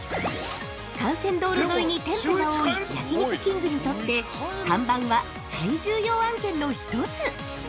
◆幹線道路沿いに店舗が多い焼肉きんぐにとって看板は最重要案件の１つ。